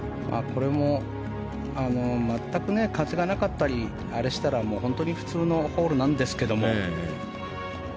これも全く風がなかったりでしたら本当に普通のホールなんですけども。